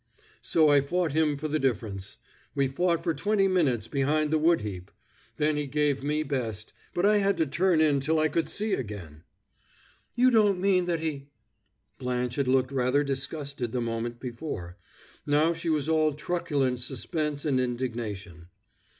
So I fought him for the difference; we fought for twenty minutes behind the wood heap; then he gave me best, but I had to turn in till I could see again." "You don't mean that he " Blanche had looked rather disgusted the moment before; now she was all truculent suspense and indignation.